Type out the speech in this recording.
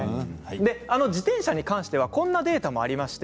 自転車に関してはこんなデータもあります。